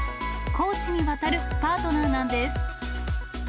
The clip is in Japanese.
公私にわたるパートナーなんです。